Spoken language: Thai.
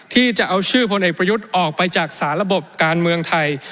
ที่จะเอาชื่อพลเอกประยุทธ์ออกไปจากสาระบบการเมืองไทย